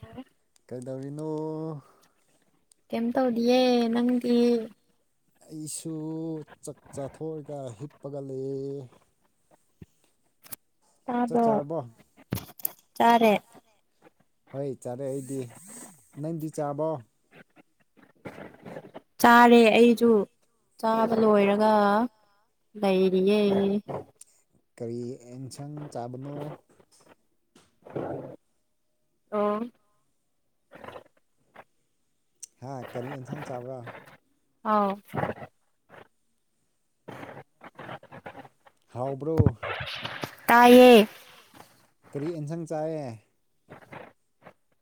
ꯌꯥꯔꯦ ꯀꯩꯗꯧꯔꯤꯅꯣ ꯀꯦꯝ ꯇꯧꯗꯤꯑꯦ ꯅꯪꯗꯤ ꯑꯩꯁꯨ ꯆꯥꯛ ꯆꯥꯊꯣꯛꯔꯒ ꯍꯤꯞꯄꯒ ꯂꯩꯑꯦ ꯆꯥꯛ ꯇꯥꯕ꯭ꯔꯣ ꯆꯥꯔꯕꯣ ꯆꯥꯔꯦ ꯍꯣꯏ ꯆꯥꯔꯦ ꯑꯩꯗꯤ ꯅꯪꯗꯤ ꯆꯥꯕꯣ [inaudible] ꯆꯥꯔꯦ ꯑꯩꯖꯨ ꯆꯥꯕ ꯂꯣꯏꯔꯒ ꯂꯩꯔꯤꯌꯦ ꯀꯔꯤ ꯑꯦꯟꯁꯪ ꯆꯥꯕꯅꯣ ꯑꯣ ꯍꯥ ꯀꯔꯤ ꯑꯦꯟꯁꯥꯡ ꯆꯥꯕ꯭ꯔꯥ ꯑꯥꯎ [inaudible] ꯍꯥꯎꯕ꯭ꯔꯣ ꯇꯥꯏꯌꯦ ꯀꯔꯤ ꯏꯟꯁꯪ ꯆꯥꯏꯌꯦ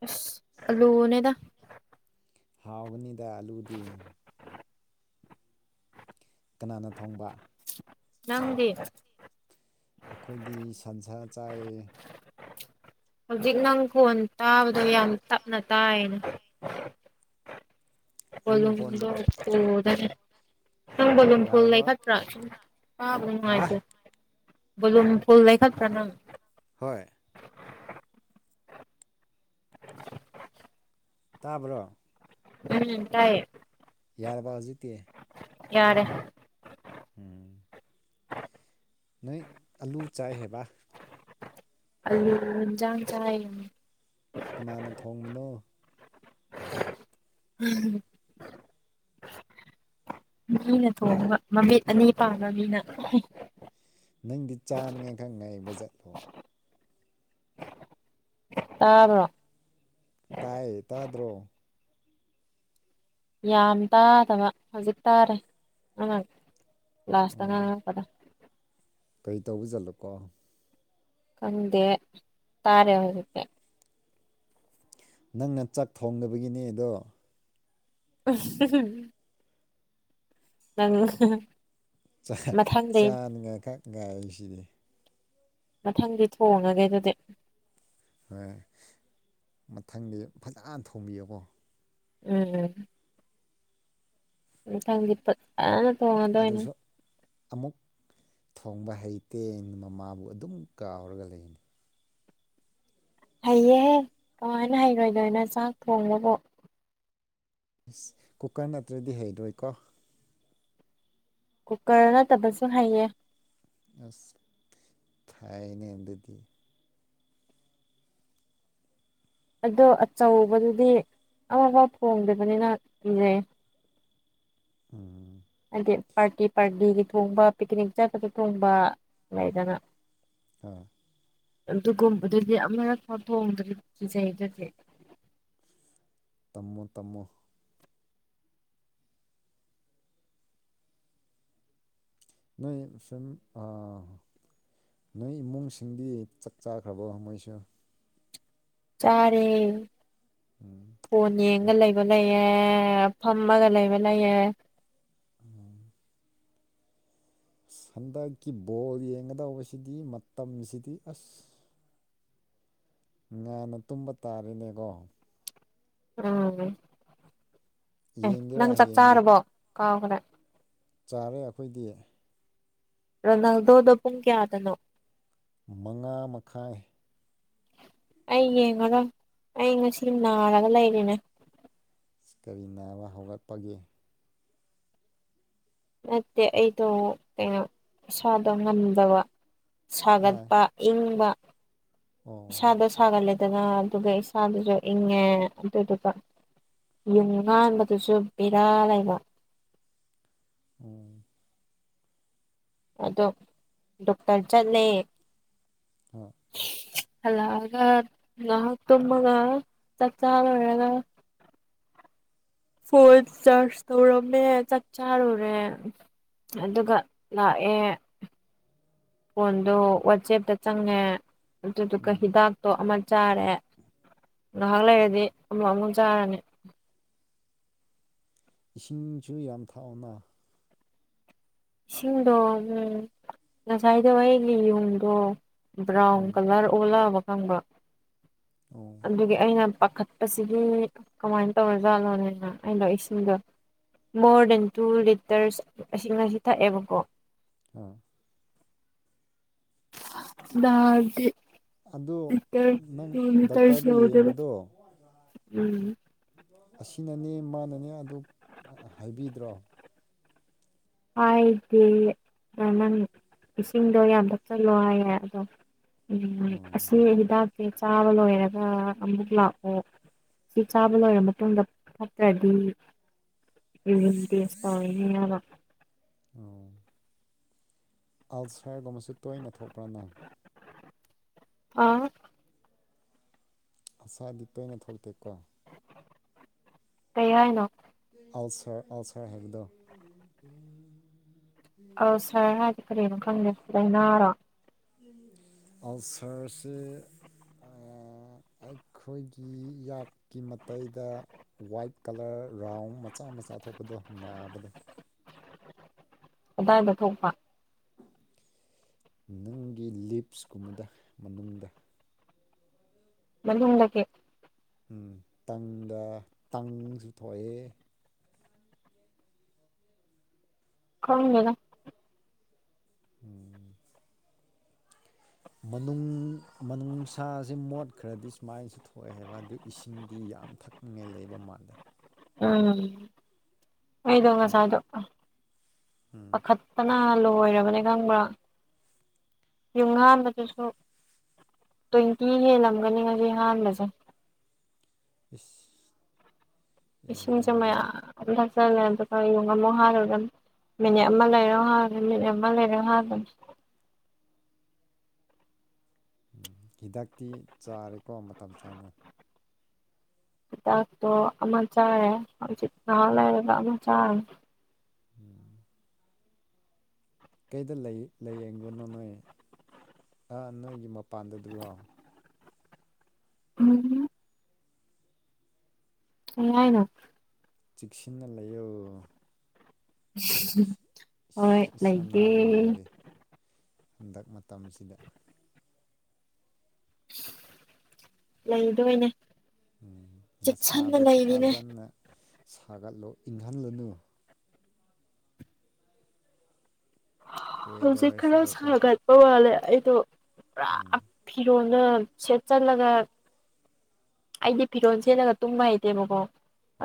ꯏꯁ ꯑꯜꯂꯨꯅꯦꯗ ꯍꯥꯎꯕꯅꯤꯗ ꯑꯜꯂꯨꯗꯤ ꯀꯅꯥꯅ ꯊꯣꯡꯕ ꯅꯪꯗꯤ ꯑꯈꯣꯏꯗꯤ ꯁꯟꯁꯥ ꯆꯥꯏꯌꯦ ꯍꯧꯖꯤꯛ ꯅꯪ ꯀꯣꯟ ꯇꯥꯕꯗꯣ ꯌꯥꯝ ꯇꯞꯅ ꯇꯥꯏꯌꯦ ꯑꯩ ꯀꯣꯂꯨꯝꯗꯣ ꯃꯈꯣꯟꯗꯣ ꯄꯨꯗꯩꯅꯦ ꯅꯪ ꯕꯣꯂꯨꯝ ꯐꯨꯜ ꯌꯥꯔꯕ ꯂꯩꯈꯠꯇ꯭ꯔꯥꯥ ꯁꯨꯝ ꯇꯥꯕ ꯍꯥ ꯅꯨꯡꯉꯥꯏꯇꯦ ꯕꯣꯂꯨꯝ ꯐꯨꯜ ꯂꯩꯈꯠꯄ꯭ꯔꯥ ꯅꯪ ꯍꯣꯏ ꯇꯥꯕꯔꯣ ꯎꯝ ꯇꯥꯏꯌꯦ ꯌꯥꯔꯕ ꯍꯧꯖꯤꯛꯇꯤ ꯌꯥꯔꯦ ꯎꯝ ꯅꯣꯏ ꯑꯜꯂꯨ ꯆꯥꯏ ꯍꯥꯏꯕ ꯑꯜꯂꯨ ꯏꯟꯖꯥꯡ ꯆꯥꯏ ꯀꯅꯥꯅ ꯊꯣꯡꯕꯅꯣ [inaudible] ꯃꯤꯅ ꯊꯣꯡꯕ ꯃꯃꯤꯠ ꯑꯅꯤ ꯄꯥꯟꯕ ꯃꯤꯅ ꯅꯪꯗꯤ ꯆꯥꯅꯤꯡꯉꯥꯏ ꯊꯛꯅꯉꯥꯏ ꯕꯖꯠꯂꯣ ꯇꯥꯕ꯭ꯔꯣ ꯇꯥꯏꯌꯦ ꯇꯥꯗ꯭ꯔꯣ ꯌꯥꯝ ꯇꯥꯗꯕ ꯍꯧꯖꯤꯛ ꯇꯥꯔꯦ ꯑꯉꯥꯡ ꯂꯥꯁꯇ ꯉꯥꯡꯉꯛꯄꯗꯣ ꯀꯩ ꯇꯧꯕ ꯖꯠꯂꯀꯣ ꯈꯪꯗꯦ ꯇꯥꯔꯦ ꯍꯧꯖꯤꯛꯇ ꯅꯪꯅ ꯆꯥꯛ ꯊꯣꯡꯗꯕꯒꯤꯅꯦ ꯑꯗꯣ [unintelligible] ꯅꯪ ꯆꯥ ꯃꯊꯪꯗꯩ ꯆꯥꯅꯤꯡꯉꯥꯏ ꯈꯛꯉꯥꯏꯁꯤꯅꯤ ꯃꯊꯪꯗꯤ ꯊꯣꯡꯉꯒꯦ ꯑꯗꯨꯗꯤ ꯍꯣꯏ ꯃꯊꯪꯗꯤ ꯐꯖꯥꯅ ꯊꯣꯡꯕꯤꯌꯣꯀꯣ ꯎꯝ ꯃꯊꯪꯗꯤ ꯐꯠꯖꯅ ꯑꯗꯨꯁꯨ ꯑꯃꯨꯛ ꯊꯣꯡꯕ ꯍꯩꯇꯦ ꯍꯩꯅ ꯃꯃꯥꯕꯨ ꯑꯗꯨꯝ ꯀꯥꯎꯔꯒ ꯂꯩ ꯍꯩꯌꯦ ꯀꯃꯥꯏꯅ ꯍꯩꯔꯣꯏꯗꯣꯏꯅꯣ ꯆꯥꯛ ꯊꯣꯡꯕꯕꯣ ꯏꯁ ꯀꯨꯀꯔ ꯅꯠꯇ꯭ꯔꯗꯤ ꯍꯩꯗꯣꯏꯀꯣ ꯀꯨꯀꯔ ꯅꯠꯇꯕꯁꯨ ꯍꯩꯌꯦ ꯑꯁ ꯊꯥꯏꯅꯦ ꯑꯗꯨꯗꯤ ꯑꯗꯣ ꯑꯆꯧꯕꯗꯨꯗꯤ ꯑꯃꯥꯐꯥꯎ ꯊꯣꯡꯗꯕꯅꯤꯅ ꯀꯤꯖꯩ ꯎꯝ ꯑꯩꯗꯤ ꯄꯥꯔꯇꯤ ꯄꯥꯔꯇꯤꯒꯤ ꯊꯣꯡꯕ ꯄꯤꯛꯅꯤꯛ ꯆꯠꯄꯗ ꯊꯣꯡꯕ ꯂꯩꯗꯅ ꯑ ꯑꯗꯨꯒꯨꯝꯕꯗꯨꯗꯤ ꯑꯃꯔꯛꯐꯥꯎ ꯊꯣꯡꯗ꯭ꯔꯤ ꯀꯤꯖꯩ ꯗꯨꯗꯤ ꯇꯝꯃꯣ ꯇꯝꯃꯣ ꯅꯣꯏ ꯁꯨꯝ ꯑꯥ ꯅꯣꯏ ꯏꯃꯨꯡꯁꯤꯡꯗꯤ ꯆꯛ ꯆꯥꯈ꯭ꯔꯕꯣ ꯃꯣꯏꯁꯨ ꯆꯥꯔꯦ ꯎꯝ ꯐꯣꯟ ꯌꯦꯡꯉ ꯂꯩꯕ ꯂꯩ ꯌꯦ ꯐꯝꯃꯒ ꯂꯩꯕ ꯂꯩꯌꯦ ꯑꯉꯥꯡ ꯑꯁ ꯍꯟꯗꯛꯀꯤ ꯕꯣꯜ ꯌꯦꯡꯒꯗꯧꯕꯁꯤꯗꯤ ꯃꯇꯝꯁꯤꯗꯤ ꯑꯁ ꯉꯥꯟꯅ ꯇꯨꯝꯕ ꯇꯥꯔꯦꯅꯦꯒꯣ ꯎꯝ ꯑꯦ ꯌꯦꯡꯒꯦꯔꯥ ꯅꯪ ꯆꯥꯛ ꯍꯌꯦꯡꯒꯤ ꯆꯥꯔꯕꯣ ꯀꯥꯎꯈꯔꯦ ꯆꯥꯔꯦ ꯑꯈꯣꯏꯗꯤ ꯔꯣꯅꯥꯜꯗꯣꯗꯣ ꯄꯨꯡ ꯀꯌꯥꯗꯅꯣ ꯃꯉꯥ ꯃꯈꯥꯏ ꯑꯩ ꯌꯦꯡꯉꯔꯣꯏ ꯑꯩ ꯉꯁꯤ ꯅꯥꯔꯒ ꯂꯩꯔꯤꯅꯦ ꯀꯔꯤ ꯅꯥꯕ ꯍꯧꯔꯛꯄꯒꯤ ꯅꯠꯇꯦ ꯑꯩꯗꯣ ꯀꯩꯅꯣ ꯏꯁꯥꯗꯣ ꯉꯝꯗꯕ ꯍꯥ ꯁꯥꯒꯠꯄ ꯏꯪꯕ ꯑꯣ ꯏꯁꯥꯗ ꯁꯥꯒꯠꯂꯦꯗꯅ ꯑꯗꯨꯒ ꯏꯁꯥꯗꯨꯁꯨ ꯏꯪꯉꯦ ꯑꯗꯨꯗꯨꯒ ꯌꯨꯡ ꯉꯥꯟꯕꯗꯨꯁꯨ ꯕꯤꯔꯥ ꯂꯩꯕ ꯎꯝ ꯑꯗꯣ ꯗꯣꯛꯇꯔ ꯆꯠꯂꯦ ꯍꯣꯏ ꯍꯜꯂꯛꯑꯒ ꯉꯍꯛ ꯇꯨꯝꯃꯒ ꯆꯥꯛ ꯆꯥ ꯂꯣꯏꯔꯒ ꯐꯣꯟ ꯆꯔꯖ ꯇꯧꯔꯝꯃꯦ ꯆꯥꯛ ꯆꯥꯔꯨꯔꯦ ꯑꯗꯨꯒ ꯂꯥꯛꯑꯦ ꯐꯣꯟꯗꯨ ꯋꯥꯠꯆꯦꯞꯇ ꯆꯪꯉꯦ ꯑꯗꯨꯗꯨꯒ ꯎꯝ ꯍꯤꯗꯥꯛꯇꯣ ꯑꯃ ꯆꯥꯔꯦ ꯉꯍꯥꯛ ꯂꯩꯔꯗꯤ ꯑꯃ ꯑꯃꯨꯛ ꯆꯥꯔꯅꯤ ꯏꯁꯤꯡꯁꯨ ꯌꯥꯝ ꯊꯛꯑꯣꯅ ꯏꯁꯤꯡꯗꯣ ꯎꯝ ꯉꯁꯥꯏꯗꯣ ꯑꯩꯒꯤ [unintelligible] ꯕ꯭ꯔꯥꯎꯟ ꯎꯝ ꯀꯂꯔ ꯑꯣꯜꯂꯛꯑꯕ ꯈꯪꯕ ꯑꯣ ꯑꯗꯨꯒꯤ ꯑꯩꯅ ꯄꯥꯈꯠꯄꯁꯤꯗꯤ ꯀꯃꯥꯏꯟ ꯇꯧꯔ ꯖꯥꯠꯂꯣꯅꯦꯅ ꯑꯩꯅꯣ ꯏꯁꯤꯡꯗꯣ ꯃꯣꯔ ꯗꯦꯟ ꯇꯨ ꯂꯤꯇꯔꯁ ꯑꯁꯤ ꯉꯁꯤ ꯊꯛꯑꯦꯕꯀꯣ ꯑ [unintelligible] ꯑꯗꯣ ꯂꯤꯇꯔ ꯅꯪ ꯇꯨ ꯂꯤꯇꯔꯁꯨ ꯗꯥꯛꯇꯔꯗ ꯌꯧꯗꯦꯗ ꯌꯦꯡꯕꯗꯣ ꯎꯝ ꯑꯁꯤꯅꯅꯦ ꯃꯥꯅꯅꯦ ꯑꯗꯨ ꯍꯥꯏꯕꯤꯗ꯭ꯔꯣ ꯍꯥꯏꯗꯦ ꯑꯥ ꯅꯪ ꯏꯁꯤꯡꯗꯣ ꯌꯥꯝ ꯊꯛꯆꯟꯂꯣ ꯍꯥꯏꯌꯦ ꯑꯗꯣ ꯎꯝ ꯑꯁꯤ ꯍꯤꯗꯥꯛꯇꯤ ꯆꯥꯕ ꯂꯣꯏꯔꯒ ꯑꯃꯨꯛ ꯂꯥꯛꯑꯣ ꯁꯤ ꯆꯥꯕ ꯂꯣꯏꯔ ꯃꯇꯨꯡꯗ ꯐꯠꯇ꯭ꯔꯗꯤ ꯌꯨꯔꯤꯟ ꯇꯦꯁ [unintelligible] [unintelligible] ꯑꯜꯁꯔꯒꯨꯝꯕꯁꯨ ꯇꯣꯏꯅ ꯊꯣꯛꯄ꯭ꯔꯥ ꯅꯪ ꯑꯥ ꯑꯜꯁꯔꯗꯤ ꯇꯣꯏꯅ ꯊꯣꯛꯇꯦꯀꯣ ꯀꯩ ꯍꯥꯏꯅꯣ ꯑꯜꯁꯔ ꯑꯜꯁꯔ ꯍꯥꯏꯕꯗꯣ ꯑꯜꯁꯔ ꯍꯥꯏꯗꯤ ꯀꯔꯤꯅꯣ ꯈꯪꯗꯦ ꯂꯩꯅꯥꯔꯣ ꯑꯜꯁꯔꯁꯦ ꯑꯥ ꯑꯩꯈꯣꯏꯒꯤ ꯌꯥꯠꯀꯤ ꯃꯇꯩꯗ ꯋꯥꯏꯠ ꯀꯂꯔ ꯔꯥꯎꯟ ꯃꯆꯥ ꯃꯆꯥ ꯊꯣꯛꯄꯗꯣ ꯅꯥꯕꯗꯣ ꯀꯗꯥꯏꯗ ꯊꯣꯛꯄ ꯅꯪꯒꯤ ꯂꯤꯞꯁꯀꯨꯝꯕꯗ ꯃꯅꯨꯡꯗ ꯃꯅꯨꯡꯗ [unintelligible] ꯎꯝ ꯇꯪꯗꯥ ꯇꯪꯁꯨ ꯊꯣꯛꯑꯦ ꯈꯪꯗꯦꯗ ꯎꯝ ꯃꯅꯨꯡ ꯃꯅꯨꯡꯁꯥꯖꯦ ꯃꯣꯠꯈ꯭ꯔꯗꯤ ꯁꯨꯃꯥꯏ ꯊꯣꯛꯑꯦ ꯍꯥꯏꯕ ꯑꯗꯨ ꯏꯁꯤꯡꯗꯤ ꯌꯥꯝ ꯊꯛꯅꯤꯡꯉꯥꯏ ꯂꯩꯕ ꯃꯥꯜꯂꯦ ꯎꯝ ꯑꯩꯗꯣ ꯅꯠ ꯉꯁꯥꯏꯗꯣ ꯎꯝ ꯄꯥꯈꯠ ꯄꯅꯥ ꯂꯣꯏꯔꯕꯅꯦ ꯈꯪꯕ꯭ꯔꯥ [unintelligible] ꯍꯥꯟꯕꯗꯨꯁꯨ ꯇ꯭ꯋꯦꯟꯇꯤ ꯍꯦꯜꯂꯝꯒꯅꯤ ꯉꯁꯤ ꯍꯥꯟꯕꯁꯦ ꯏꯁ ꯌꯥꯏꯅꯦ ꯏꯁꯤꯡꯁꯦ ꯑꯗꯨꯗꯤ ꯃꯌꯥꯝ ꯊꯛꯆꯜꯂꯦ ꯑꯗꯨꯒ [unintelligible] ꯑꯃꯨꯛ [unintelligible] ꯃꯤꯅꯤꯠ ꯑꯃ ꯂꯩꯔꯣ ꯍꯥꯟꯒꯅꯤ ꯃꯤꯅꯤꯠ ꯑꯃ ꯂꯩꯔꯥ ꯍꯥꯟꯕꯅꯤ ꯎꯝ ꯍꯤꯗꯥꯛꯇꯤ ꯆꯥꯔꯦꯀꯣ ꯃꯇꯝ ꯆꯥꯅ ꯆꯥꯛ ꯇꯣꯛꯑꯥ ꯑꯃ ꯆꯥꯔꯦ ꯍꯧꯖꯤꯛ ꯉꯍꯥꯛ ꯂꯩꯔꯥꯒ ꯑꯃ [unintelligible] ꯎꯝ ꯀꯩꯗ ꯂꯩ ꯂꯩꯌꯦꯡꯕꯅꯣ ꯅꯣꯏ ꯑꯥ ꯅꯣꯏꯒꯤ ꯃꯄꯥꯟꯗꯨꯗꯨꯔꯣ ꯎꯝ ꯀꯩ ꯍꯥꯏꯅꯣ ꯆꯤꯛꯁꯤꯟꯅ ꯂꯩꯌꯣ ꯏꯁ ꯍꯣꯏ ꯏꯁ ꯏꯁꯥ ꯂꯩꯒꯦ ꯅꯥꯕ ꯌꯥꯗꯦ ꯍꯟꯗꯛ ꯃꯇꯝꯁꯤꯗ ꯂꯩꯗꯣꯏꯅꯦ ꯎꯝ ꯆꯦꯛꯁꯤꯟꯅ ꯅꯁꯥꯗꯣ ꯂꯩꯔꯤꯅꯦ ꯐꯖꯅ ꯁꯥꯒꯠꯂꯣ ꯏꯪꯍꯜꯂꯨꯅꯨ ꯍꯧꯖꯤꯛ ꯈꯔ ꯋꯦꯗꯔꯁꯤꯒꯀꯣ ꯁꯥꯒꯠ ꯄ ꯋꯥꯂꯦ ꯑꯩꯗꯣ ꯄꯨꯔꯥ ꯐꯤꯔꯣꯟꯒ ꯁꯦꯠꯆꯜꯂꯒ ꯑꯩꯗꯤ ꯐꯤꯔꯣꯟ ꯁꯦꯠꯂꯒ ꯇꯨꯝꯕ ꯍꯩꯇꯦꯕꯀꯣ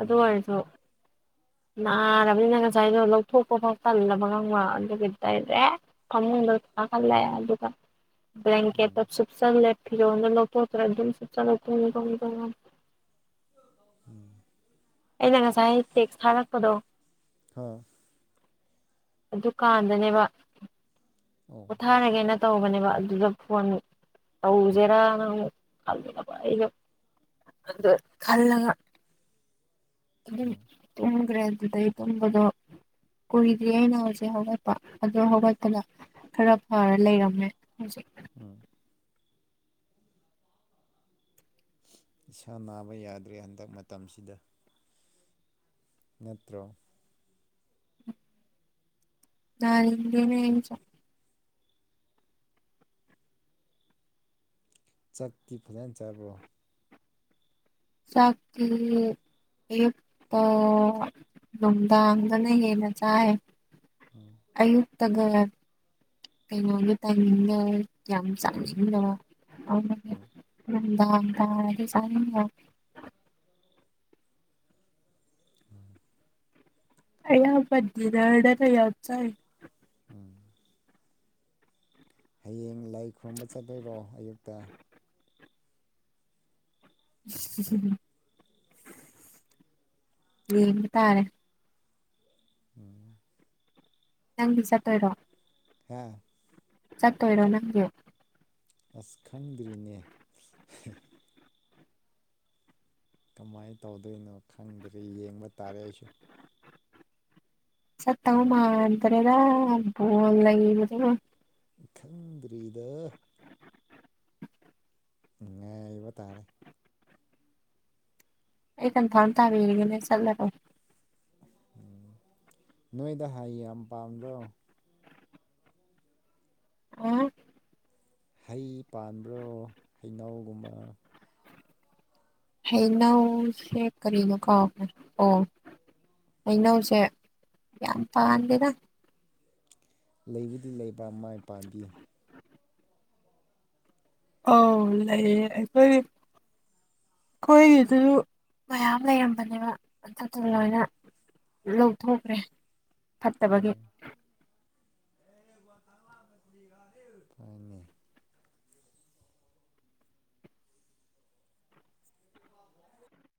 ꯑꯗꯨ ꯑꯣꯏꯔꯁꯨ ꯅꯥꯔꯕꯅꯤꯅ ꯉꯁꯥꯏꯗꯣ ꯂꯧꯊꯣꯛꯄ ꯐꯥꯎ ꯇꯜꯂꯕ ꯈꯪꯕꯔꯥ ꯑꯗꯨꯒꯤ ꯗꯥꯏꯔꯦꯛ ꯐꯃꯨꯡꯗ ꯀꯥꯈꯠꯂꯦ ꯑꯗꯨꯒ ꯕꯂꯦꯡꯀꯦꯠꯇꯣ ꯁꯨꯞꯆꯜꯂꯦ ꯐꯤꯔꯣꯟꯗꯣ ꯂꯧꯊꯣꯛꯇꯔ꯭ꯦ ꯑꯗꯨꯝ ꯁꯨꯞꯆꯜꯂ ꯇꯨꯝꯃꯦ ꯇꯨꯝꯃꯦ ꯇꯨꯝꯃꯦ ꯎꯝ ꯑꯩꯅ ꯉꯁꯥꯏ ꯇꯦꯛꯁ ꯊꯥꯔꯛꯄꯗꯣ ꯍꯥ ꯑꯗꯨꯀꯥꯟꯗꯅꯦꯕ ꯑꯣ ꯄꯣꯊꯥꯔꯒꯦꯅ ꯇꯧꯕꯅꯦꯕ ꯑꯗꯨꯗ ꯐꯣꯟ ꯇꯧꯖꯦꯔꯥ ꯅꯃꯨꯛ ꯈꯜꯂꯕ ꯑꯩꯒ ꯑꯗ ꯈꯜꯂꯒ ꯑꯗꯨꯝ ꯍ ꯇꯨꯝꯒꯔꯦ ꯑꯗꯨꯗꯩ ꯇꯨꯝꯕꯗꯣ ꯀꯨꯏꯗ꯭ꯔꯤ ꯑꯩꯅ ꯍꯧꯖꯤꯛ ꯍꯧꯒꯠꯄ ꯑꯗꯣ ꯍꯧꯒꯠꯄꯗ ꯈꯔ ꯐꯔ ꯂꯩꯔꯝꯃꯦ ꯍꯧꯖꯤꯛ ꯎꯝ ꯏꯁꯥ ꯅꯥꯕ ꯌꯥꯗ꯭ꯔꯦ ꯍꯟꯗꯛ ꯃꯇꯝꯁꯤꯗ ꯅꯠꯇ꯭ꯔꯣ ꯅꯥꯅꯤꯡꯗꯦꯅꯦ ꯑꯩꯁꯨ ꯆꯛꯇꯤ ꯐꯖꯅ ꯆꯥꯕ꯭ꯔꯣ ꯆꯥꯛꯇꯤ ꯑꯌꯨꯛꯇ ꯅꯨꯡꯗꯥꯡꯗꯅ ꯍꯦꯟꯅ ꯆꯥꯏ ꯑꯣ ꯑꯌꯨꯛꯇꯒ ꯀꯩꯅꯣꯒꯤ ꯇꯥꯏꯃꯤꯡꯒ ꯌꯥꯝ ꯆꯥꯅꯤꯡꯗꯕ ꯑꯗꯨꯒꯤ ꯎꯝ ꯅꯨꯃꯤꯗꯥꯡ ꯇꯥꯔꯗꯤ ꯆꯥꯅꯤꯡꯉꯦ ꯎꯝ ꯑꯌꯥꯝꯕ ꯗꯤꯅꯔꯗ ꯈ ꯌꯥꯝ ꯆꯥꯏ ꯎꯝ ꯍꯌꯦꯡ ꯂꯩ ꯈꯨꯔꯨꯝꯕ ꯆꯠꯇꯣꯏꯔꯣ ꯑꯌꯨꯛꯇ ꯌꯦꯡꯕ ꯇꯥꯔꯦ [unintelligible] ꯅꯪꯗꯤ ꯆꯠꯇꯣꯏꯔꯣ ꯍꯥꯥꯌꯥ ꯆꯠꯇꯣꯏꯔꯣ ꯅꯪꯗꯤ ꯑꯁ ꯈꯪꯗ꯭ꯔꯤꯅꯦ ꯀꯃꯥꯏ ꯇꯧꯗꯣꯏꯅꯣ ꯈꯪꯗ꯭ꯔꯦ ꯌꯦꯡꯕ ꯇꯥꯔꯦ ꯑꯩꯁꯨ ꯆꯠꯇꯧ ꯃꯥꯟꯗ꯭ꯔꯦꯗ ꯕꯣꯜ ꯂꯩꯕꯗꯨꯅ ꯈꯪꯗ꯭ꯔꯤꯗ ꯉꯥꯏꯕ ꯇꯥꯔꯦ ꯑꯩ ꯀꯟꯐꯥꯝ ꯇꯥꯕꯤꯔꯨꯒꯅꯦ ꯆꯠꯂꯔꯣꯏ ꯎꯝ ꯅꯣꯏꯗ ꯍꯥꯏ ꯌꯥꯝ ꯄꯥꯝꯕ꯭ꯔꯣ? ꯑ ꯍꯩ ꯄꯥꯟꯕ꯭ꯔꯣ ꯍꯩꯅꯧꯒꯨꯝꯕ꯫ ꯍꯩꯅꯧ ꯁꯦ ꯀꯔꯤꯅ ꯀꯥꯎꯈꯔꯦ ꯑꯣ ꯍꯩꯅꯧꯁꯦ ꯌꯥꯝ ꯄꯥꯟꯗꯦꯗ꯫ ꯂꯩꯕꯨꯗꯤ ꯂꯩꯕ ꯃꯥꯏ ꯄꯥꯟꯕꯤ꯫ ꯑꯥꯎ ꯂꯩꯌꯦ ꯑꯩꯈꯣꯏ ꯑꯩꯈꯣꯏꯒꯤꯗꯨ ꯃꯌꯥꯝ ꯂꯩꯔꯝꯕꯅꯦꯕ꯫ ꯑꯗꯨ ꯂꯣꯏꯅ ꯂꯧꯊꯣꯛꯈ꯭ꯔꯦ꯫ ꯐꯠꯇꯕꯒꯤ ꯑꯣ ꯍꯣꯏꯅꯦ ꯑꯣ